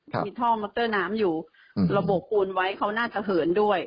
มีท่อมอเตอร์น้ำอยู่ระบบปูนไว้เขาน่าจะเหินด้วย